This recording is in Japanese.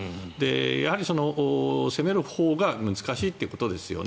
やはり攻めるほうが難しいということですよね。